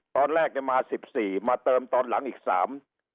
ตอนแรกมา๑๔เบอร์มาเติมตอนหลังอีก๓เบอร์